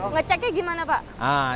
ngeceknya gimana pak